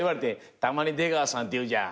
「たまに出川さんって言うじゃん。